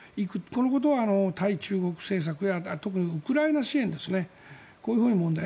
このことは対中国政策や特にウクライナ支援ですねこういうふうな問題。